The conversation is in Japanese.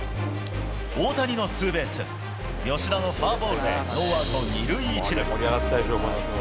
大谷のツーベース、吉田のフォアボールでノーアウト２塁１塁。